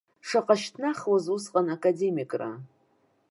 Шаҟа шьҭнахуазыз усҟан академикра!